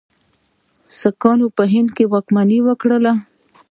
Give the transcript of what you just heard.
ساکانو په هند کې واکمني وکړه.